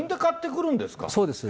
そうです。